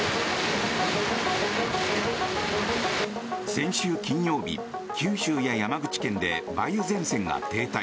先週金曜日九州や山口県で梅雨前線が停滞。